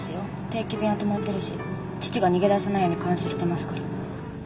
定期便は止まってるし父が逃げ出さないように監視してますから。